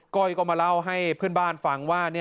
้อยก็มาเล่าให้เพื่อนบ้านฟังว่า